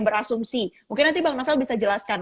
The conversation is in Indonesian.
berasumsi mungkin nanti bang novel bisa jelaskan